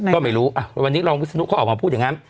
ก็ไม่รู้วันนี้รองวิศนุเขาออกมาพูดอย่างนั้น